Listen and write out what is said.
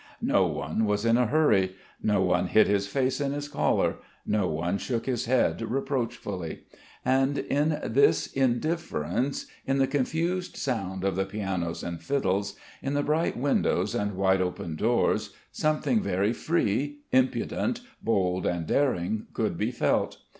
No one was in a hurry; no one hid his face in his collar; no one shook his head reproachfully. And in this indifference, in the confused sound of the pianos and fiddles, in the bright windows and wide open doors, something very free, impudent, bold and daring could be felt.